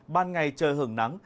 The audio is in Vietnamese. ban ngày trời hưởng nắng